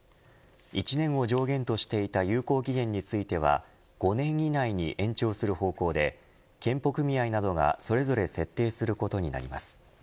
１年を上限としていた有効期限については５年以内に延長する方向で健保組合などがそれぞれ設定することになります。